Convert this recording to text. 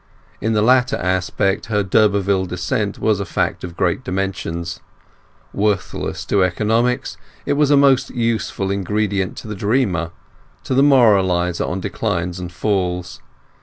In the latter aspect her d'Urberville descent was a fact of great dimensions; worthless to economics, it was a most useful ingredient to the dreamer, to the moralizer on declines and falls.